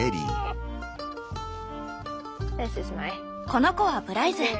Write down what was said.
この子はプライズ。